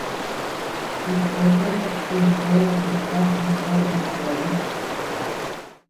Ihkókere eikó puʼká ahpó itóai.